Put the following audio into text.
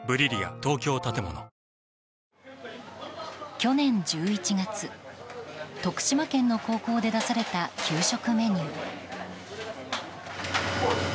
去年１１月、徳島県の高校で出された給食メニュー。